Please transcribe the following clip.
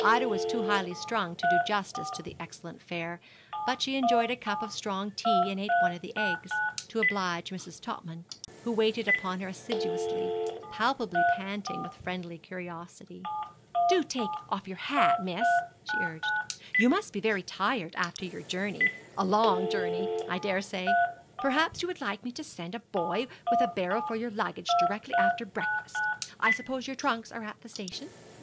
Ida was too highly strung to do justice to the excellent fare, but she enjoyed a cup of strong tea, and ate one of the eggs, to oblige Mrs. Topman, who waited upon her assiduously, palpably panting with friendly curiosity. 'Do take off your hat, miss,' she urged; 'you must be very tired after your journey a long journey, I daresay. Perhaps you would like me to send a boy with a barrow for your luggage directly after breakfast. I suppose your trunks are at the station?'